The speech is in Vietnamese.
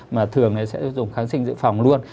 mà thường sẽ dùng kháng sinh dự phòng luôn